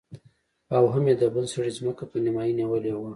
او هم يې د بل سړي ځمکه په نيمايي نيولې وه.